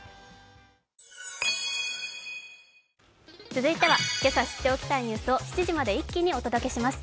続いてはけさ知っておきたいニュースを７時までにお届けします。